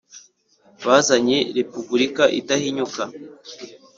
bazanye Repubulika idahinyuka.